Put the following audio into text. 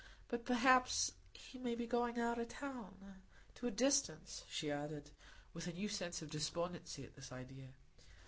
But perhaps he may be going out of town—to a distance," she added, with a new sense of despondency at this idea.